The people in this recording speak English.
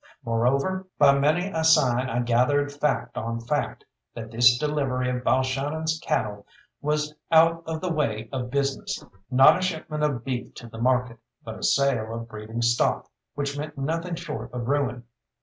Moreover, by many a sign I gathered fact on fact, that this delivery of Balshannon's cattle was out of the way of business, not a shipment of beef to the market, but a sale of breeding stock, which meant nothing short of ruin.